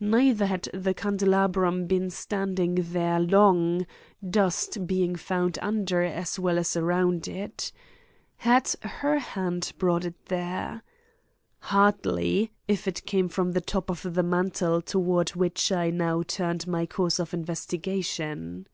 Neither had the candelabrum been standing there long, dust being found under as well as around it. Had her hand brought it there? Hardly, if it came from the top of the mantel toward which I now turned in my course of investigation.